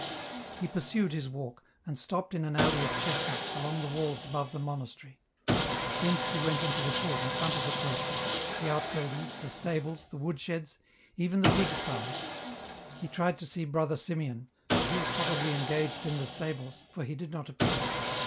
He pursued his walk, and stopped in an alley of chestnuts along the walls above the monastery ; thence he went into the court in front of the cloister, the outbuildings, the stables, the woodsheds, even the pig styes. He tried to see Brother Simeon, but he was probably engaged in the stables, for he did not appear.